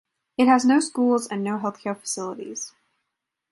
It has no schools and no healthcare facilities.